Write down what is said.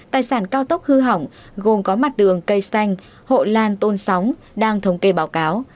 tài sản cao tốc hư hỏng gồm có mặt đường cây xanh hộ lan tôn sóng đang thống kê báo cáo